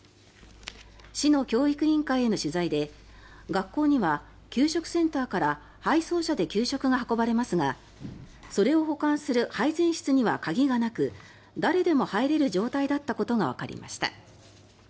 市の教育委員会への取材で学校には給食センターから配送車で給食が運ばれますがそれを保管する配膳室には鍵がなく誰でも入れる状態だったことがわかりました。